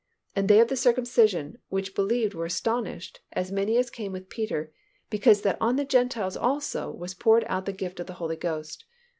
And they of the circumcision which believed were astonished, as many as came with Peter, because that on the Gentiles also was poured out the gift of the Holy Ghost.